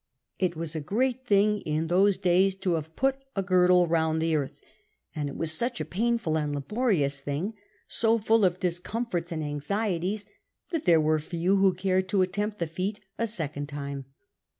It was a great thing in those days to have put a girdle round the earth ; and it was such a painful and laborious thing, so full of discomforts and anxieties, that there Avere few who cared to attempt the feat a second time.